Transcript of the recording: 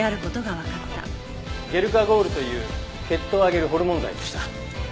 ゲルカゴールという血糖を上げるホルモン剤でした。